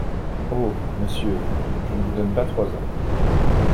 Oh ! monsieur, je ne vous donne pas trois ans…